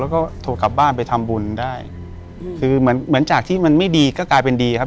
แล้วก็โทรกลับบ้านไปทำบุญได้คือเหมือนเหมือนจากที่มันไม่ดีก็กลายเป็นดีครับ